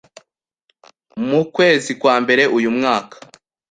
Mu kwezi kwa mbere uyu mwaka,